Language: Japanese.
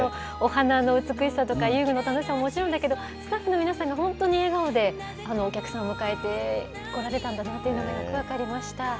お花の美しさとか遊具の楽しさはもちろんだけど、スタッフの皆さんが本当に笑顔でお客さんを迎えてこられたんだなというのがよく分かりました。